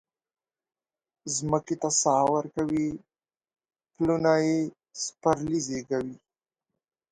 مځکې ته ساه ورکوي پلونه یي سپرلي زیږوي